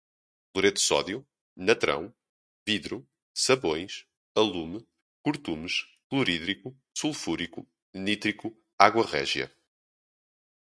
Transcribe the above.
cloreto de sódio, natrão, vidro, sabões, alume, curtumes, clorídrico, sulfúrico, nítrico, água régia